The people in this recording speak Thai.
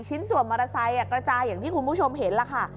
ชิ้นส่วนมอเตอร์ไซค์กระจายอย่างที่คุณผู้ชมเห็นล่ะค่ะ